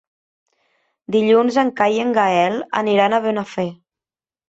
Dilluns en Cai i en Gaël aniran a Benafer.